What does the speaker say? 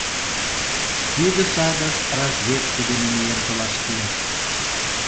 Тиде садыш разведке дене миен толаш кӱлеш.